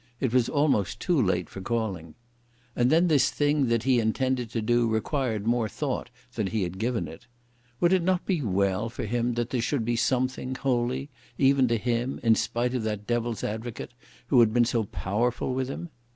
It was almost too late for calling. And then this thing that he intended to do required more thought than he had given it. Would it not be well for him that there should be something holy, even to him, in spite of that Devil's advocate who had been so powerful with him.